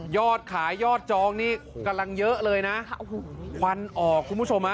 ยอดขายยอดจองนี่กำลังเยอะเลยนะโอ้โหควันออกคุณผู้ชมฮะ